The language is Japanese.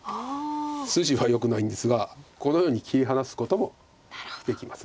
筋はよくないんですがこのように切り離すこともできます。